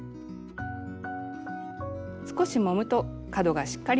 少しもむと角がしっかり出ます。